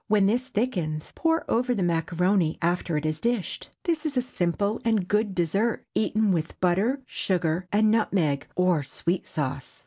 When this thickens, pour over the macaroni after it is dished. This is a simple and good dessert, eaten with butter, sugar, and nutmeg, or sweet sauce.